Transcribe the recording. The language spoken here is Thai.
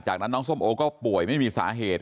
จากนั้นน้องส้มโอก็ป่วยไม่มีสาเหตุ